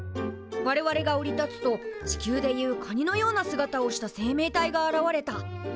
我々が降り立つと地球で言うカニのような姿をした生命体が現れた」。